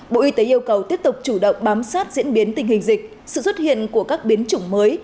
bộ y tế yêu cầu tiếp tục chủ động bám sát diễn biến tình hình dịch sự xuất hiện của các biến chủng mới